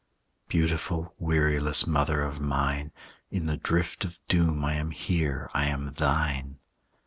Beautiful, weariless mother of mine, In the drift of doom I am here, I am thine.